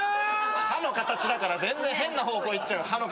歯の形だから全然変な方向行っちゃう。